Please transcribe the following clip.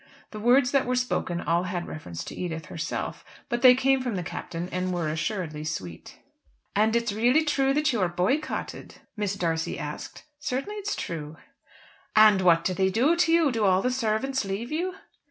The words that were spoken all had reference to Edith herself; but they came from the Captain and were assuredly sweet. "And it's really true that you are boycotted?" Mrs. D'Arcy asked. "Certainly it's true." "And what do they do to you? Do all the servants leave you?"